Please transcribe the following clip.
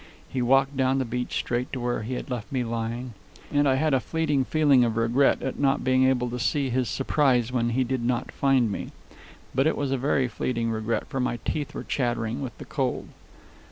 He walked down the beach straight to where he had left me lying, and I had a fleeting feeling of regret at not being able to see his surprise when he did not find me. But it was a very fleeting regret, for my teeth were chattering with the cold.